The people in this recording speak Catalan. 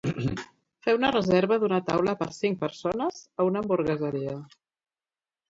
Fer una reserva d'una taula per a cinc persones a una hamburgueseria.